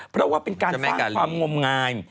เพราะว่าเป็นการสร้างความงมงาย